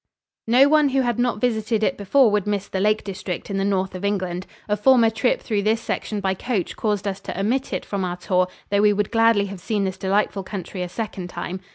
No one who had not visited it before would miss the Lake District in the north of England. A former trip through this section by coach caused us to omit it from our tour, though we would gladly have seen this delightful country a second time.